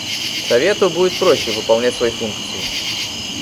Совету будет проще выполнять свои функции.